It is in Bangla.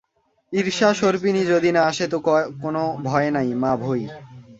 ঈর্ষা-সর্পিণী যদি না আসে তো কোন ভয় নাই, মাভৈঃ।